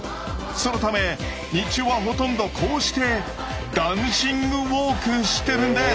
そのため日中はほとんどこうしてダンシングウォークしてるんです。